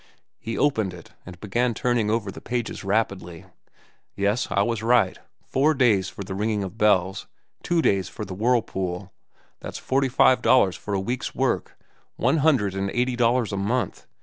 He opened it and began turning over the pages rapidly. "Yes, I was right. Four days for 'The Ring of Bells,' two days for 'The Whirlpool.' That's forty five dollars for a week's work, one hundred and eighty dollars a month.